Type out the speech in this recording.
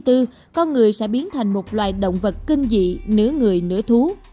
năm hai nghìn một trăm sáu mươi bốn con người sẽ biến thành một loài động vật kinh dị nửa người nửa thú